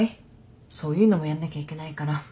そういうのもやんなきゃいけないから。